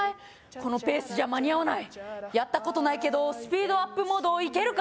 このペースじゃ間に合わないやったことないけどスピードアップモードいけるか？